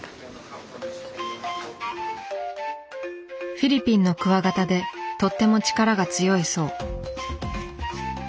フィリピンのクワガタでとっても力が強いそう。